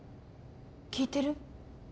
聞いてる？